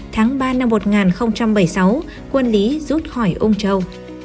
tháng ba năm một nghìn bảy mươi sáu quân lý rút khỏi ông châu